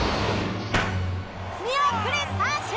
見送り三振！